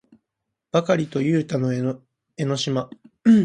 ばかりとゆうたと江の島